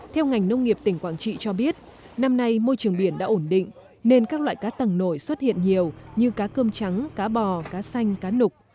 theo ngành nông nghiệp tỉnh quảng trị cho biết năm nay môi trường biển đã ổn định nên các loại cá tầng nổi xuất hiện nhiều như cá cơm trắng cá bò cá xanh cá nục